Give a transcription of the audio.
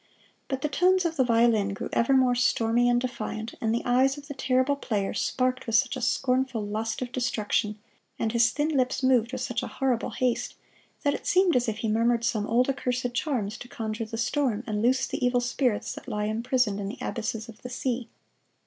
But the tones of the violin grew ever more stormy and defiant, and the eyes of the terrible player sparkled with such a scornful lust of destruction, and his thin lips moved with such a horrible haste, that it seemed as if he murmured some old accursed charms to conjure the storm and loose the evil spirits that lie imprisoned in the abysses of the sea.